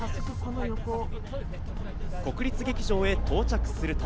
国立劇場へ到着すると。